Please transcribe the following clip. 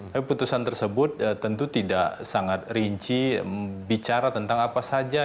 tapi putusan tersebut tentu tidak sangat rinci bicara tentang apa saja